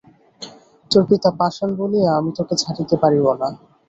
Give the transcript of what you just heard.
তোর পিতা পাষাণ বলিয়া আমি তোকে ছাড়িতে পারিব না।